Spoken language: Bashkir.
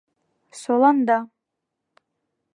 Соланда!